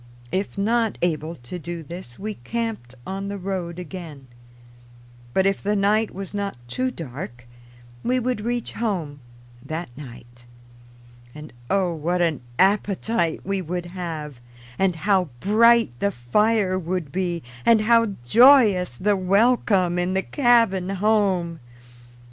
If not able to do this, we camped on the road again. But if the night was not too dark we would reach home that night. And oh, what an appetite we would have, and how bright the fire would be, and how joyous the welcome in the cabin home!